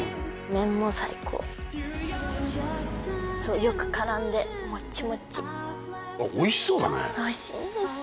麺も最高よく絡んでモッチモチおいしそうだねおいしいんですよ